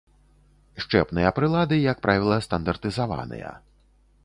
Счэпныя прылады, як правіла, стандартызаваныя.